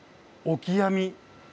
オキアミ。